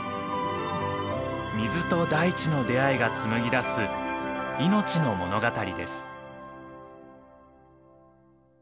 水と大地の出会いが紡ぎ出す命の物語です。